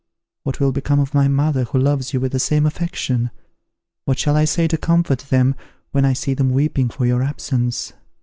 What will become of my mother, who loves you with the same affection? What shall I say to comfort them when I see them weeping for your absence?